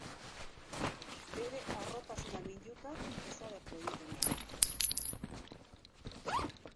Bere harrotasuna minduta, desagertu egiten da.